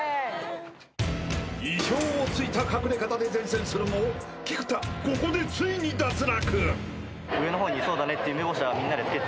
［意表を突いた隠れ方で善戦するも菊田ここでついに脱落］